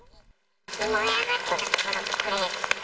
燃え上がってた所はこれです。